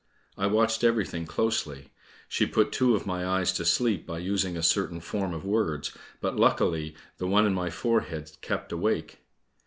I watched everything closely. She put two of my eyes to sleep by using a certain form of words, but luckily the one in my forehead kept awake."